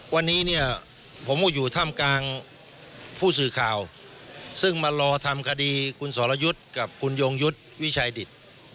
วันนี้เนี่ยผมก็อยู่ท่ามกลางผู้สื่อข่าวซึ่งมารอทำคดีคุณสรยุทธ์กับคุณยงยุทธ์วิชัยดิต